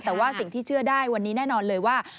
แต่ว่าสิ่งที่เชื่อได้วันนี้แน่นอนเลยว่า